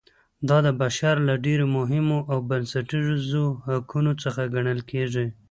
دا د بشر له ډېرو مهمو او بنسټیزو حقونو څخه ګڼل کیږي.